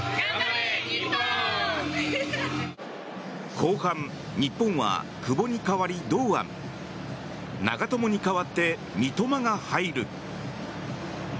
後半、日本は久保に代わり堂安長友に代わって三笘が入る。